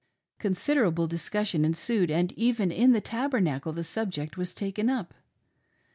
" Considerable dis cussion ensued, and even in the Tabernacle the subject was taken up.